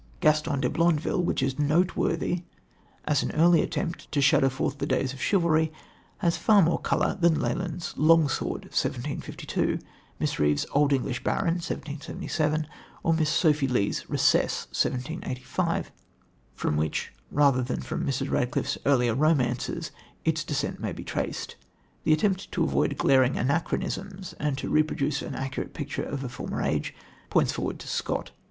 Gaston de Blondeville, which is noteworthy as an early attempt to shadow forth the days of chivalry, has far more colour than Leland's Longsword (1752), Miss Reeve's Old English Baron (1777), or Miss Sophia Lee's Recess (1785), from which rather than from Mrs. Radcliffe's earlier romances its descent may be traced. The attempt to avoid glaring anachronisms and to reproduce an accurate picture of a former age points forward to Scott.